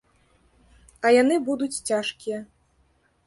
А яны будуць цяжкія.